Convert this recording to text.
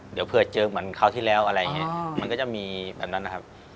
เดี๋ยวเผื่อเจอเหมือนคราวที่แล้วอะไรอย่างนี้มันก็จะมีแบบนั้นนะครับ